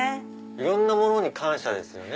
いろんなものに感謝ですよね。